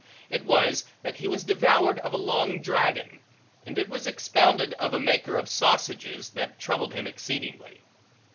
It was, that he was devoured of a long dragon; and it was expounded of a maker of sausages, that troubled him exceedingly.